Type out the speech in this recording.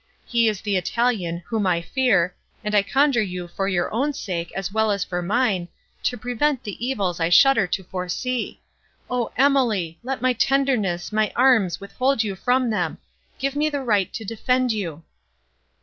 He is the Italian, whom I fear, and I conjure you for your own sake, as well as for mine, to prevent the evils I shudder to foresee. O Emily! let my tenderness, my arms withhold you from them—give me the right to defend you!"